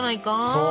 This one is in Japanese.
そう。